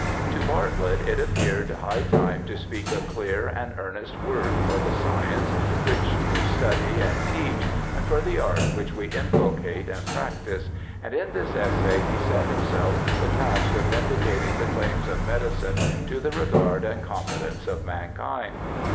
To Bartlett it appeared 136 BIOGRAPHICAL ESSAYS high time to speak a clear and earnest word for the science which we study and teach, and for the art which we inculcate and practise, and in this essay he set himself the task of vindicating the claims of medicine to the regard and confidence of mankind.